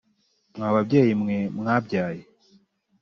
mwa babyeyi mwe mwabyaye